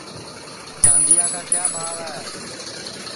چاندیا کا کیا بھاو ہے